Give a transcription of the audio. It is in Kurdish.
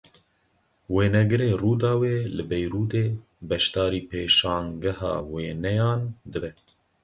Wênegirê Rûdawê li Beyrûdê beşdarî pêşangeha wêneyan dibe.